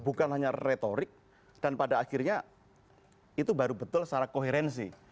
bukan hanya retorik dan pada akhirnya itu baru betul secara koherensi